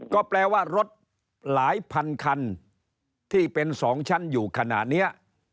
ก็แปลว่ารถหลายพันคันที่เป็น๒ชั้นอยู่ขณะนี้